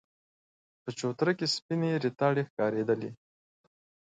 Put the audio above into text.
په چوتره کې سپينې ريتاړې ښکارېدلې.